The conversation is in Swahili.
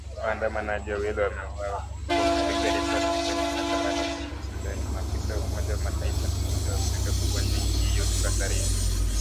Waandamanaji wawili wameuwawa kwa kupigwa risasi kwenye maandamano nchini Sudan, maafisa wa Umoja wa Mataifa na Umoja wa Afrika kuonya nchi hiyo iko hatarini